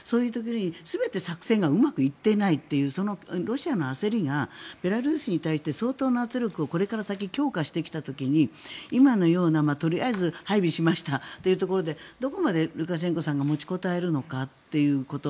全て作戦がうまくいっていないという圧力がロシアにとってこれから先、強化してきた時に今のようなとりあえず配備しましたというところでどこまでルカシェンコさんが持ちこたえるのかということ。